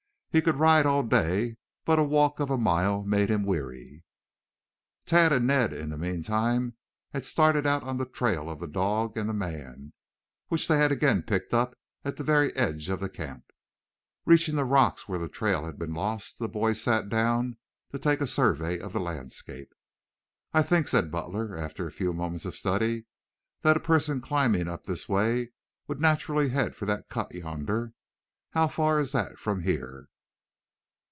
He could ride all day, but a walk of a mile made him weary. Tad and Ned, in the meantime, had started out on the trail of the dog and the man, which they had again picked up at the very edge of the camp. Reaching the rocks where the trail had been lost the boys sat down to take a survey of the landscape. "I think," said Butler, after a few moments of study, "that a person climbing up this way would naturally head for that cut yonder. How far is that from here?"